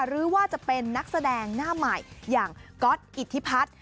หรือว่าจะเป็นนักแสดงหน้าใหม่อย่างก๊อตอิทธิพัฒน์